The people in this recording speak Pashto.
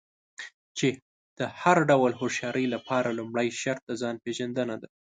چې د هر ډول هوښيارۍ لپاره لومړی شرط د ځان پېژندنه ده.